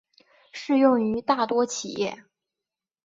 适用于大多企业。